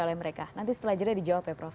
oleh mereka nanti setelah jeda dijawab ya prof